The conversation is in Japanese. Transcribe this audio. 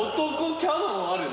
キャノンあるな。